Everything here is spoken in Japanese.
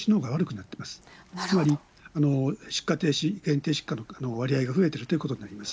やはり出荷停止、限定出荷の影響が増えているということになります。